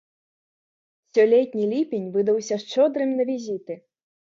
Сёлетні ліпень выдаўся шчодрым на візіты.